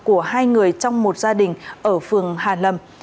của hai người trong một gia đình ở phường hạ long